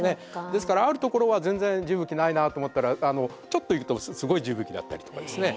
ですからある所は全然地吹雪ないなと思ったらちょっと行くとすごい地吹雪だったりとかですね。